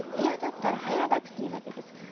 嫌だったら入らなくていいわけです。